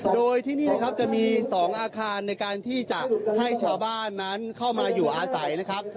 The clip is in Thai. โดยที่นี่นะครับจะมี๒อาคารในการที่จะให้ชาวบ้านนั้นเข้ามาอยู่อาศัยนะครับ